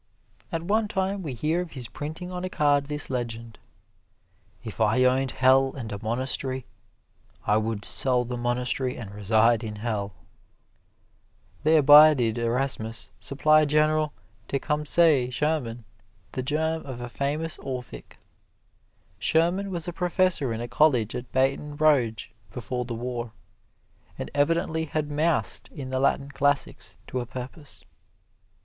At one time we hear of his printing on a card this legend, "If I owned hell and a monastery, I would sell the monastery and reside in hell." Thereby did Erasmus supply General Tecumseh Sherman the germ of a famous orphic. Sherman was a professor in a college at Baton Rouge before the War, and evidently had moused in the Latin classics to a purpose.